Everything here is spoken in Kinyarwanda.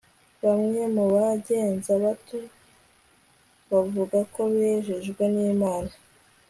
Bamwe mu bagenza batyo bavuga ko bejejwe nImana